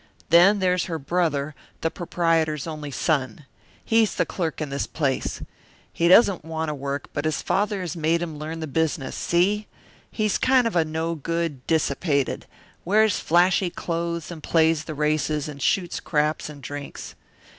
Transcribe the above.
Then, there's her brother, the proprietor's only son. He's the clerk in this place. He doesn't want to work, but his father has made him learn the business, see? He's kind of a no good; dissipated; wears flashy clothes and plays the races and shoots craps and drinks.